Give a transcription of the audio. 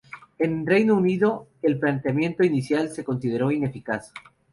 En Reino Unido, el planteamiento inicial se consideró ineficaz.